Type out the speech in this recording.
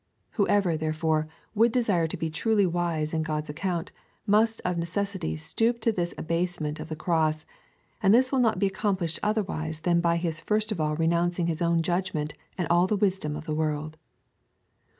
Who ever, therefore, would desire to be truly wise in God's account, must of necessity stoop to this abasement of the cross, and this will not be accomplished otherwise than by his first of all renouncing his own judgment and all the wisdom of the world.